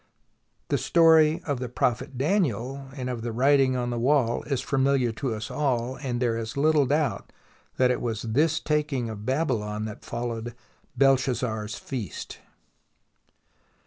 The story of the prophet [ 44] .2 o o U O a THE SIEGE OF BABYLON Daniel, and of the writing on the wall, is familiar to us all; and there is little doubt that it was this taking of Babylon that followed ' Belshazzar's Feast."